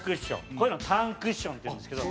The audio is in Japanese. こういうの短クッションっていうんですけど。